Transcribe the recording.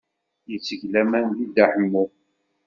Yetteg laman deg Dda Ḥemmu.